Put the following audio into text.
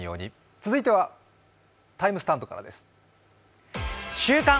続いてはＴＩＭＥスタンドからです。